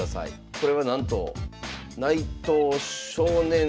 これはなんと内藤少年。